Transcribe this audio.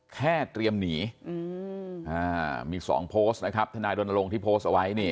แค่เตรียมหนีมี๒โพสต์นะครับทนายรณรงค์ที่โพสต์เอาไว้นี่